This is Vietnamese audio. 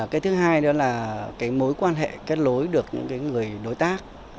cái thứ hai nữa là cái mối quan hệ kết lối được những người đối tác